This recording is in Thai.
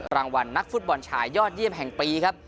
รางวัลนักฟุตบอลชายยอดเยี่ยมแห่งปีครับ